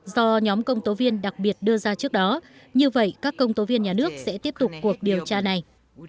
do nhóm công tố viên đặc biệt đưa ra trước đó như vậy các công tố viên nhà nước sẽ tiếp tục cuộc điều tra này